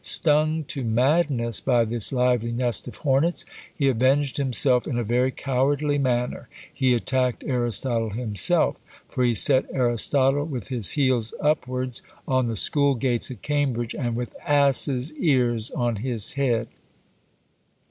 Stung to madness by this lively nest of hornets, he avenged himself in a very cowardly manner he attacked Aristotle himself! for he set Aristotle with his heels upwards on the school gates at Cambridge, and with asses' ears on his head!